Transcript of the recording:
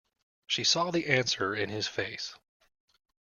She saw the answer in his face.